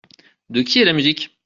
De qui est la musique ?